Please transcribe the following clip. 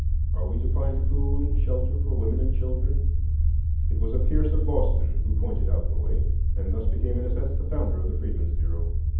Are we to find food and shelter for women and children?" It was a Pierce of Boston who pointed out the way, and thus became in a sense the founder of the Freedmen's Bureau.